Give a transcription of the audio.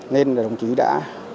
nên đồng chí đã